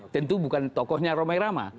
tentu bukan tokohnya romai rama